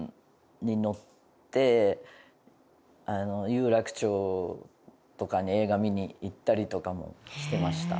有楽町とかに映画見に行ったりとかもしてました。